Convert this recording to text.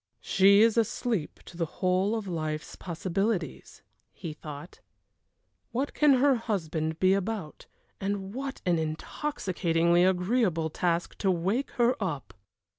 "She is asleep to the whole of life's possibilities," he thought. "What can her husband be about, and what an intoxicatingly agreeable task to wake her up!"